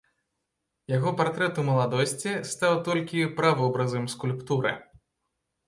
Яго партрэт у маладосці стаў толькі правобразам скульптуры.